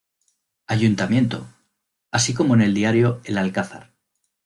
Ayuntamiento, así como en el diario El Alcázar.